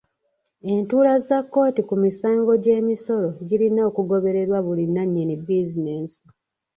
Entuula za kkooti ku misango gy'emisolo girina okugobererwa buli nannyini bizinensi.